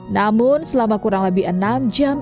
namun selama kurang lebih enam jam